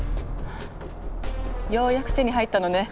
はぁようやく手に入ったのね。